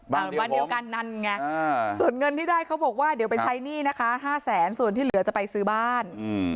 วันเดียวกันนั่นไงส่วนเงินที่ได้เขาบอกว่าเดี๋ยวไปใช้หนี้นะคะ๕แสนส่วนที่เหลือจะไปซื้อบ้าน